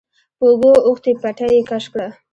په اوږو اوښتې پټۍ يې کش کړه.